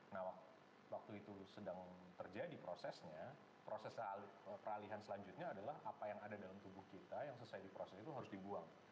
nah waktu itu sedang terjadi prosesnya proses peralihan selanjutnya adalah apa yang ada dalam tubuh kita yang selesai diproses itu harus dibuang